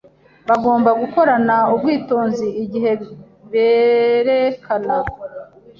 Bagomba gukorana ubwitonzi igihe berekana